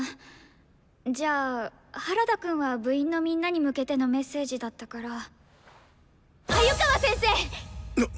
じゃあ原田くんは部員のみんなに向けてのメッセージだったから鮎川先生！